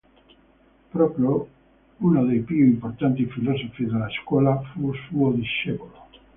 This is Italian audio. Proclo, uno dei più importanti filosofi della scuola, fu suo discepolo.